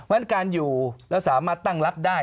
ฉะนั้นการอยู่แล้วสามารถตั้งรับได้